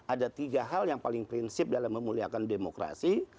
ada tiga hal yang paling prinsip dalam memuliakan demokrasi